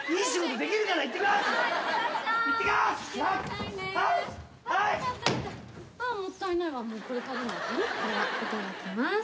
ではいただきます。